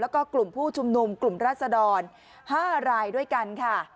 แล้วก็กลุ่มผู้ชุมนุมกลุ่มราศดร๕รายด้วยกันค่ะ